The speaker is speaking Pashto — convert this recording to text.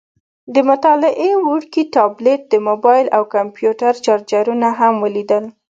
د مطالعې وړوکی ټابلیټ، د موبایل او کمپیوټر چارجرونه هم ولیدل.